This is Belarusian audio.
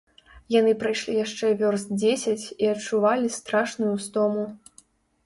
Яны прайшлі яшчэ вёрст дзесяць і адчувалі страшную стому.